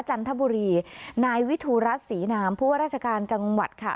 จันทบุรีนายวิทูรัฐศรีนามผู้ว่าราชการจังหวัดค่ะ